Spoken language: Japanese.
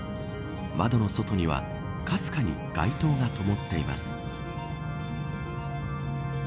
窓の外にはかすかに街灯がともっています。